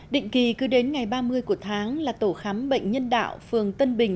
định kỳ cứ đến ngày ba mươi của tháng là tổ khám bệnh nhân đạo phường tân bình